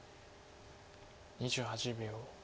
２８秒。